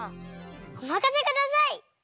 おまかせください！